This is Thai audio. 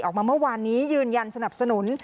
ออกมาเมื่อวานนี้ยืนยันสนับสนุน